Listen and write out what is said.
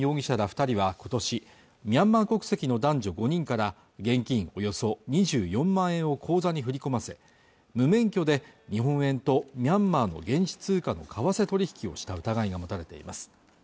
二人はことしミャンマー国籍の男女５人から現金およそ２４万円を口座に振り込ませ無免許で日本円とミャンマーの現地通貨の為替取引をした疑いが持たれています